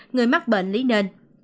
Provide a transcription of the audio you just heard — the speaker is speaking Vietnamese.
người mắc bệnh lý nền